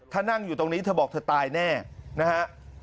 ถ้านั่งอยู่ตรงนี้เธอบอกเธอตายแน่นะฮะ